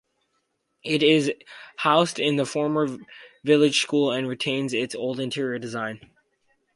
It is housed in the former village school and retains its old interior design.